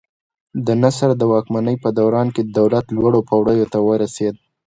د نصر د واکمنۍ په دوران کې دولت لوړو پوړیو ته ورسېد.